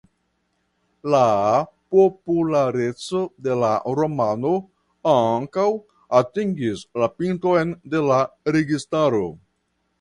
La populareco de la romano ankaŭ atingis la pinton de la registaro.